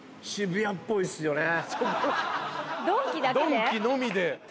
ドンキのみで。